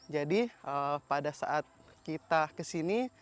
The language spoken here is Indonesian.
jadi pada saat kita ke sini